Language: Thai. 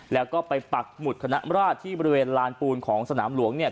แล้วก็ไปปักหมุดคณะราชที่บริเวณลานปูนของสนามหลวงเนี่ย